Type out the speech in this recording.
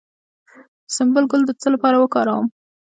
د سنبل ګل د څه لپاره وکاروم؟